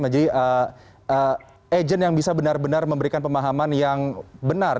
menjadi agent yang bisa benar benar memberikan pemahaman yang benar